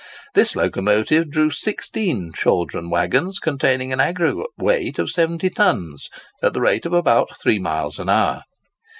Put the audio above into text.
This locomotive drew sixteen chaldron waggons containing an aggregate weight of seventy tons, at the rate of about three miles an hour.